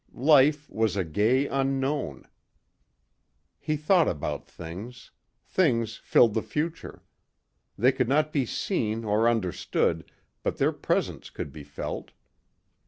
Life was a gay unknown. He thought about things. Things filled the future. They could not be seen or understood but their presence could be felt.